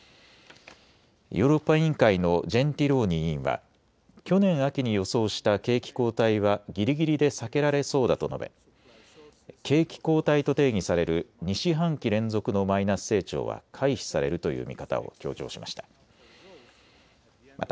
ヨーロッパ委員会のジェンティローニ委員は去年秋に予想した景気後退はぎりぎりで避けられそうだと述べ景気後退と定義される２四半期連続のマイナス成長は回避されるという見方を強調しました。